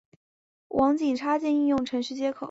网景插件应用程序接口。